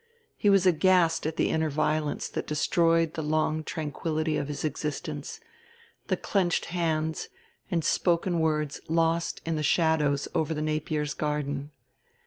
He was aghast at the inner violence that destroyed the long tranquility of his existence, the clenched hands and spoken words lost in the shadows over the Napiers' garden.